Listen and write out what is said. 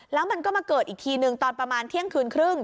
แล้วมันก็มาเกิดอีกทีหนึ่งตอนประมาณเที่ยงคืนครึ่ง